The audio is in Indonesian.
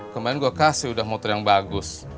kemarin gue kasih udah motor yang bagus